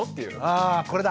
あこれだ。